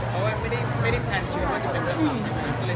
คือเรื่องเรี้ยนน่าจะใช้เลขไป